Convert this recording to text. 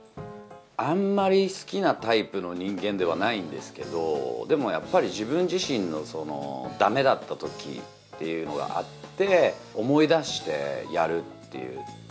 あんまり好きなタイプの人間ではないんですけど、でもやっぱり自分自身のだめだったときっていうのがあって、思い出してやるっていう。